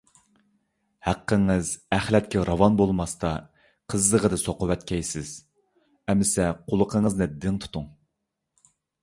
ھەققىڭىز ئەخلەتكە راۋان بولماستا قىززىغىدا سوقۇۋەتكەيسىز. ئەمسە قۇلىقىڭىزنى دىڭ تۇتۇڭ: